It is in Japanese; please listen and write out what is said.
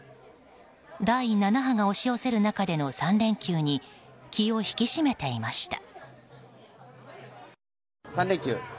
第７波が押し寄せる中での３連休に気を引き締めていました。